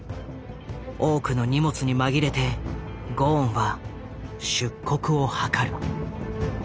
多くの荷物に紛れてゴーンは出国を図る。